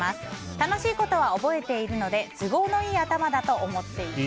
楽しいことは覚えているので都合のいい頭だと思っています。